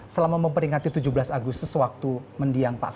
selama memperingati tujuh belas agustus waktu mendiang pak